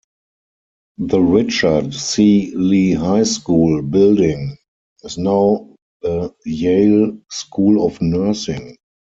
The Richard C Lee High School building is now the Yale School of Nursing.